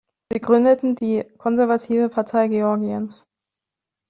Sie gründeten die „Konservative Partei Georgiens“.